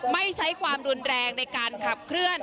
ไม่ใช้ความรุนแรงในการขับเคลื่อน